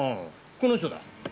この人だ。